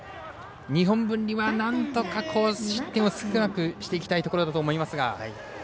日本文理はなんとか、失点を少なくしていきたいところだと思いますが。